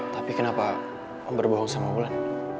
tapi kenapa berbohong sama bulan